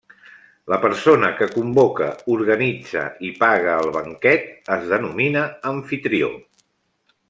La persona que convoca, organitza i paga el banquet es denomina amfitrió.